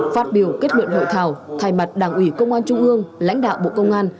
phát biểu kết luận hội thảo thay mặt đảng ủy công an trung ương lãnh đạo bộ công an